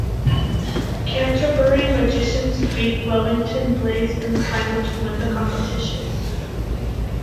Canterbury Magicians beat Wellington Blaze in the final to win the competition.